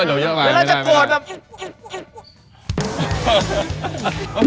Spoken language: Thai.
แต่อย่าโกรธแบบ